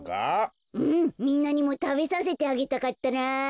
うんみんなにもたべさせてあげたかったなぁ。